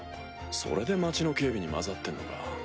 それで町の警備に交ざってんのか。